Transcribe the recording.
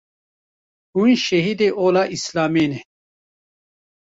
hûn şehîdê ola Îslamê ne